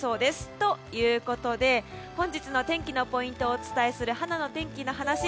ということで、本日の天気のポイントをお伝えするはなの天気のはなし。